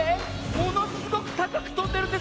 ものすごくたかくとんでるんですけど！